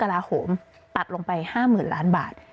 เอางบกระโหมตัดลงไป๕หมื่นล้านบาท